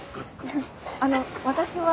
あの私は。